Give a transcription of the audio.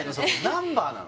ナンバーなの？